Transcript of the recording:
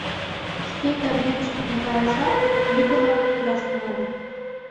Шке кабинетышкыже кайышат, йӱкынак лудаш тӱҥале: